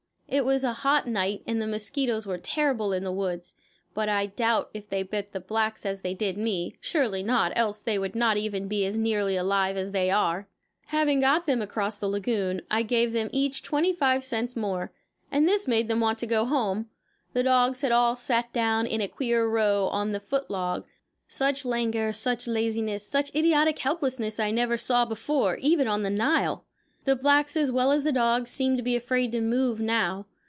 It was a hot night and the mosquitoes were terrible in the woods, but I doubt if they bite the blacks as they did me. Surely not, else they would not be even as nearly alive as they are. Having got them across the lagoon, I gave them each 25 cents more, and this made them want to go home. The dogs had all sat down in a queer row on the foot log. Such languor, such laziness, such idiotic helplessness I never saw before, even on the Nile. The blacks, as well as the dogs, seemed to be afraid to move now.